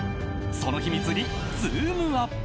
その秘密にズームＵＰ！